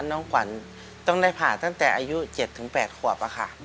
น้องขวัญต้องได้ผ่าตั้งแต่อายุ๗๘ขวบค่ะ